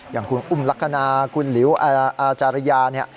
อย่างคุณอุ้มลักษณะคุณหลิวอาจารยาเนี่ย